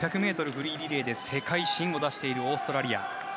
フリーリレーで世界新を出しているオーストラリア。